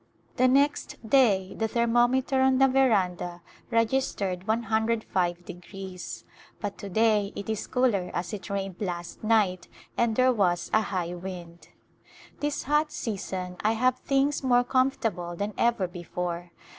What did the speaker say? The next day the thermometer on the veranda registered 105°, but to day it is cooler as it rained last night and there was a high wind. This hot season I have things more comfortable than ever before.